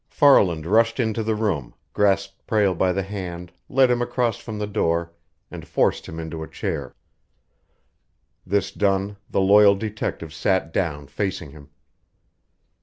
Farland rushed into the room, grasped Prale by the hand, led him across from the door, and forced him into a chair. This done, the loyal detective sat down facing him.